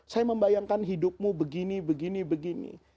saya membayangkan hidupmu begini begini